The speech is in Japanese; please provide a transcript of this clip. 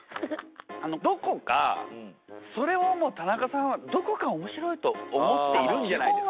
どこかそれをも田中さんはどこか面白いと思っているんじゃないですか？